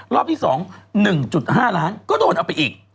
รอบที่๒๑๕ล้านก็โดนเอาไปอีก